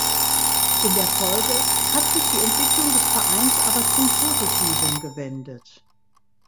In der Folge hat sich die Entwicklung des Vereins aber zum Positiven gewendet.